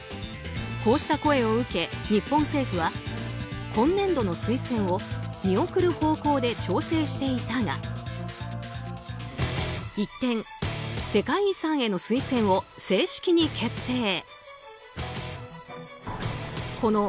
こうした声を受け、日本政府は今年度の推薦を見送る方向で調整していたが一転、世界遺産への推薦を正式に決定。